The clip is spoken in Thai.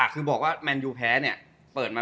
คือว่าแมนยูเละเทให้หรอค่ะ